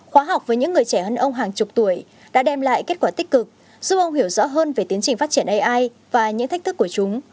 khóa học với những người trẻ hơn ông hàng chục tuổi đã đem lại kết quả tích cực giúp ông hiểu rõ hơn về tiến trình phát triển ai và những thách thức của chúng